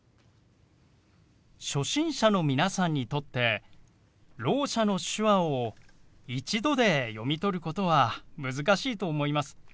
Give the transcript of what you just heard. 初心者の皆さんにとってろう者の手話を一度で読み取ることは難しいと思います。